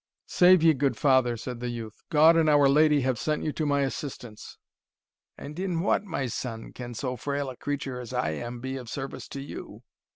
"Save ye, good father!" said the youth. "God and Our Lady have sent you to my assistance." "And in what, my son, can so frail a creature as I am, be of service to you?"